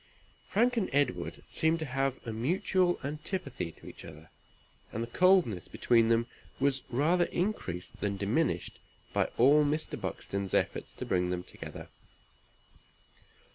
Frank and Edward seemed to have a mutual antipathy to each other, and the coldness between them was rather increased than diminished by all Mr. Buxton's efforts to bring them together.